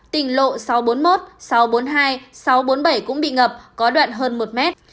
tỉnh lộ sáu trăm bốn mươi một sáu trăm bốn mươi hai sáu trăm bốn mươi bảy cũng bị ngập có đoạn hơn một mét